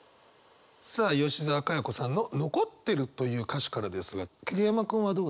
さあ吉澤嘉代子さんの「残ってる」という歌詞からですが桐山君はどうでしょうか？